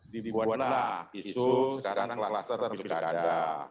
dibuatlah isu sekarang kluster pilkada